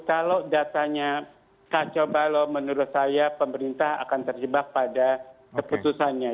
kalau datanya tak coba lho menurut saya pemerintah akan terjebak pada keputusannya